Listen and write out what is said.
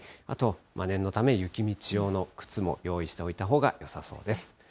あと念のため、雪道用の靴も用意しておいたほうがよさそうです。